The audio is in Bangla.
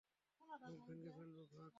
মুখ ভেঙে ফেলবো, ভাগ!